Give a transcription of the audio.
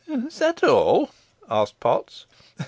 "Is that all?" asked Potts.